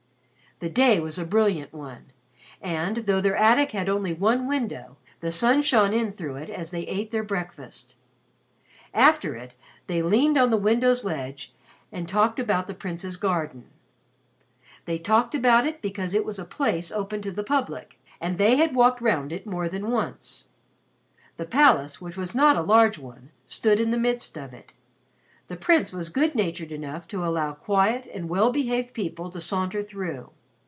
The day was a brilliant one, and, though their attic had only one window, the sun shone in through it as they ate their breakfast. After it, they leaned on the window's ledge and talked about the Prince's garden. They talked about it because it was a place open to the public and they had walked round it more than once. The palace, which was not a large one, stood in the midst of it. The Prince was good natured enough to allow quiet and well behaved people to saunter through.